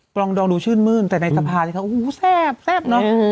กลองดองดูชื่นมืนแต่ในสะพานเลยค่ะอู๋แซ่บแซ่บเนอะ